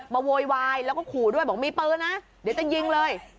โวยวายแล้วก็ขู่ด้วยบอกมีปืนนะเดี๋ยวจะยิงเลย